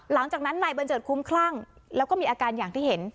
หลังจากนั้นนายบัญเจิดคุ้มคลั่งแล้วก็มีอาการอย่างที่เห็น